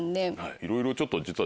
いろいろちょっと実は。